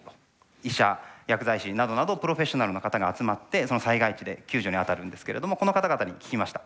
医者薬剤師などなどプロフェッショナルな方が集まってその災害地で救助にあたるんですけれどもこの方々に聞きました。